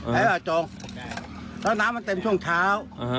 แล้วน้ำมันเต็มช่วงเช้า